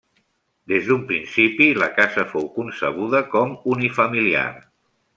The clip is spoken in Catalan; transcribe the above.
Des d'un principi la casa fou concebuda com unifamiliar.